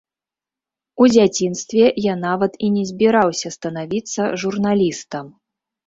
У дзяцінстве я нават і не збіраўся станавіцца журналістам.